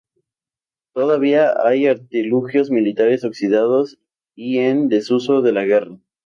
Todavía hay artilugios militares oxidados y en desuso de la guerra.